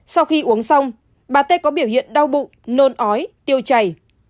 sau khi uống xong bà tê có biểu hiện đau bụng nôn ói tiêu chảy